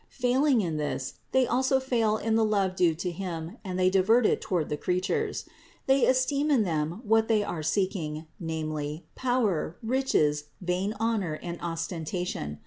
Failing in this, they also fail in the love due to Him and they divert it toward the creatures. They esteem in them what they are seeking, namely power, riches, vain honor and ostentation.